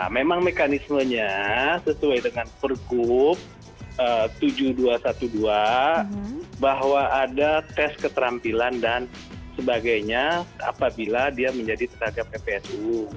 memang mekanismenya sesuai dengan pergub tujuh ribu dua ratus dua belas bahwa ada tes keterampilan dan sebagainya apabila dia menjadi tenaga ppsu